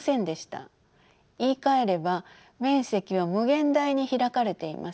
言いかえれば面積は無限大に開かれています。